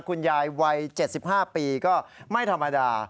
คุณยายวัย๗๕ปีก็ไม่ธรรมดา